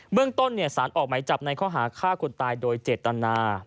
เมืองต้นสารออกไหมจับในข้อหาฆ่าคนตายโดยเจตนา